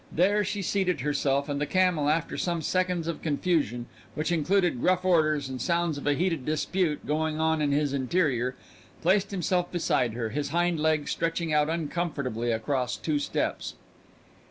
There she seated herself, and the camel, after some seconds of confusion which included gruff orders and sounds of a heated dispute going on in his interior, placed himself beside her his hind legs stretching out uncomfortably across two steps.